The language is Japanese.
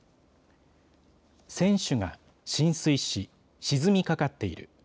船首が浸水し、沈みかかっている。